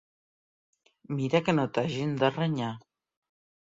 Mira que no t'hagin de renyar.